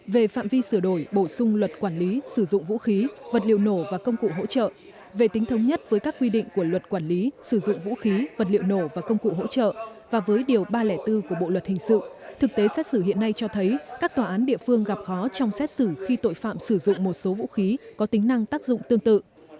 về phạm vi sửa đổi bổ sung luật quản lý sử dụng vũ khí vật liệu nổ và công cụ hỗ trợ về tính thống nhất với các quy định của luật quản lý sử dụng vũ khí vật liệu nổ và công cụ hỗ trợ và với điều ba trăm linh bốn của bộ luật hình sự thực tế xét xử hiện nay cho thấy các tòa án địa phương gặp khó trong xét xử khi tội phạm sử dụng một số vũ khí có tính năng tác dụng tương tự